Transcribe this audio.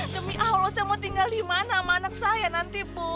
demi allah saya mau tinggal di mana sama anak saya nanti bu